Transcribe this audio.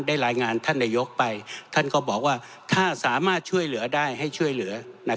รายงานท่านนายกไปท่านก็บอกว่าถ้าสามารถช่วยเหลือได้ให้ช่วยเหลือ